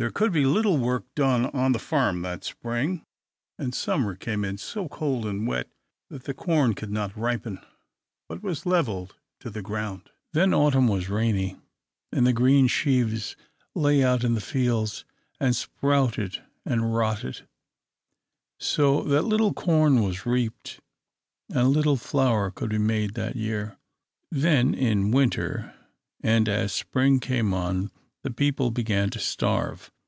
There could be little work done on the farm that spring; and summer came in so cold and wet that the corn could not ripen, but was levelled to the ground. Then autumn was rainy, and the green sheaves lay out in the fields, and sprouted and rotted; so that little corn was reaped, and little flour could be made that year. Then in winter, and as spring came on, the people began to starve.